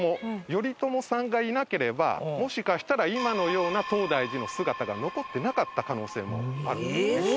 頼朝さんがいなければもしかしたら今のような東大寺の姿が残っていなかった可能性もある。